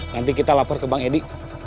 nanti kita lapor ke bang edi